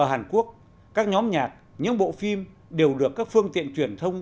ở hàn quốc các nhóm nhạc những bộ phim đều được các phương tiện truyền thông